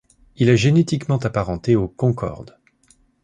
Il est génétiquement apparenté au concord.